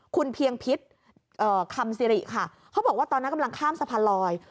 คุณเพียงพิษคำสิริค่ะเขาบอกว่าตอนนั้นกำลังข้ามสะพานลอย